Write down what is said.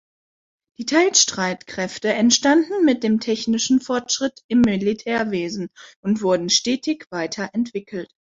Die Teilstreitkräfte entstanden mit dem technischen Fortschritt im Militärwesen und wurden stetig weiter entwickelt.